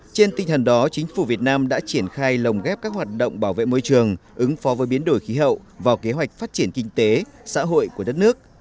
trên tinh thần đó chính phủ việt nam đã triển khai lồng ghép các hoạt động bảo vệ môi trường ứng phó với biến đổi khí hậu vào kế hoạch phát triển kinh tế xã hội của đất nước